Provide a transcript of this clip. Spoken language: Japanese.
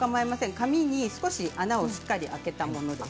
紙に穴をしっかり開けたものです。